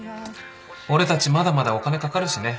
俺たちまだまだお金かかるしね。